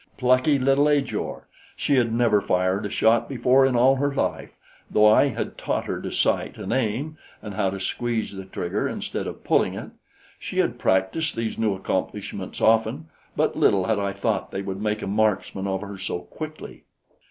Plucky little Ajor! She had never fired a shot before in all her life, though I had taught her to sight and aim and how to squeeze the trigger instead of pulling it. She had practiced these new accomplishments often, but little had I thought they would make a marksman of her so quickly.